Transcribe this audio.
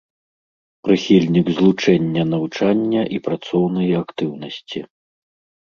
Прыхільнік злучэння навучання і працоўнай актыўнасці.